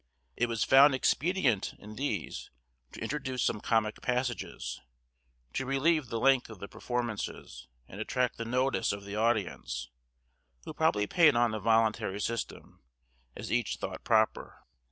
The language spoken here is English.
It was found expedient in these to introduce some comic passages, to relieve the length of the performances, and attract the notice of the audience, who probably paid on the voluntary system, as each thought proper.